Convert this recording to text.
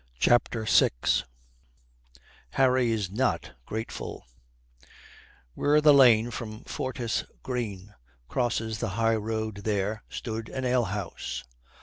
CHAPTER VI HARRY IS NOT GRATEFUL Where the lane from Fortis Green crosses the high road there stood an ale house.